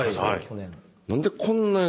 去年。